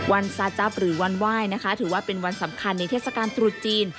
ซาจั๊บหรือวันไหว้นะคะถือว่าเป็นวันสำคัญในเทศกาลตรุษจีน